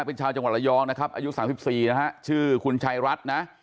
เป็นชาวจังหวัดระยองนะครับอายุ๓๔นะฮะชื่อคุณชายรัฐนะ